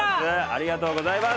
ありがとうございます。